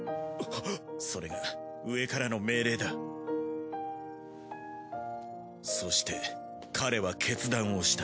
それが上からの命令だそして彼は決断をした。